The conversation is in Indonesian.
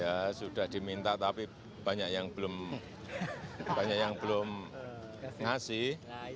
ya sudah diminta tapi banyak yang belum ngasih